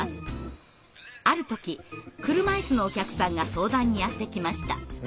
ある時車いすのお客さんが相談にやって来ました。